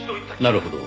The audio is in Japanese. なるほど。